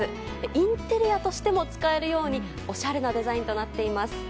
インテリアとしても使えるようにおしゃれなデザインとなっています。